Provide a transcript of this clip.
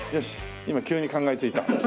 今急に考えついた。